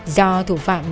do thủ phạm